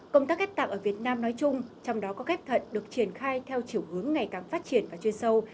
công tác ghép tạng ở việt nam nói chung trong đó có ghép thận được triển khai theo chiều hướng ngày càng phát triển và chuyên sâu